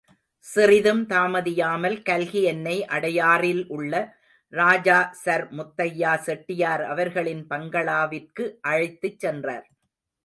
சிறிதும் தாமதியாமல் கல்கி என்னை அடையாறில் உள்ள ராஜா சர் முத்தையா செட்டியார் அவர்களின் பங்களாவிற்கு அழைத்துச் சென்றார்.